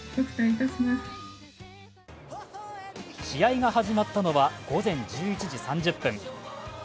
試合が始まったのは午前１１時３０分。